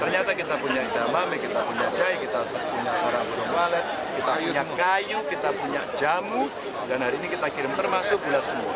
ternyata kita punya idamame kita punya jahe kita punya sarang burung walet kita punya kayu kita punya jamu dan hari ini kita kirim termasuk gula semua